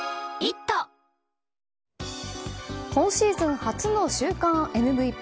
今シーズン初の週間ＭＶＰ。